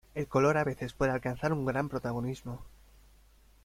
El color a veces puede alcanzar un gran protagonismo.